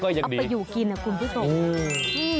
เอาไปอยู่กินนะคุณผู้ชม